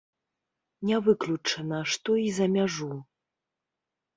Не выключана, што і за мяжу.